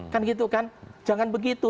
kan gitu kan jangan begitu